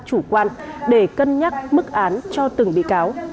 chủ quan để cân nhắc mức án cho từng bị cáo